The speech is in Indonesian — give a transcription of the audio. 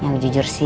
yang jujur sih